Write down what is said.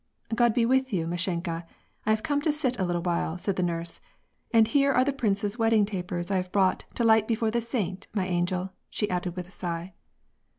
" God be with you, Mashenka, I have come to sit a little while," said the nurse ;" and here are the prince's wedding tapers I've brought to light before the saint, my angel," she added, with a sigh.